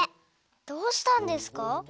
どうしたんですか？